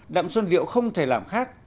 đặng xuân điệu không thể làm khác